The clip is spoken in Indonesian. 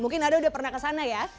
mungkin ada udah pernah ke sana ya